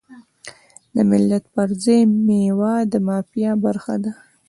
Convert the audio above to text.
د ملت پر ځای میوه د مافیا برخه شوه.